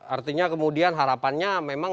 artinya kemudian harapannya memang